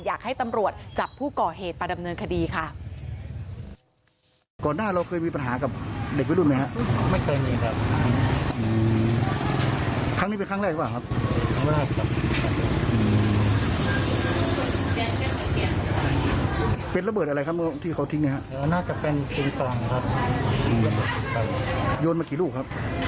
อยากให้ตำรวจจับผู้ก่อเหตุมาดำเนินคดีค่ะ